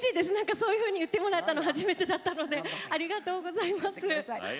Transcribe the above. そういうふうに言ってもらったの初めてだったのでありがとうございます。